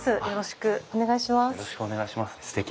よろしくお願いします。